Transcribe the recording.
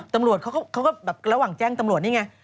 ตำรวจเขาก็แบบระหว่างแจ้งตำรวจนี่ไง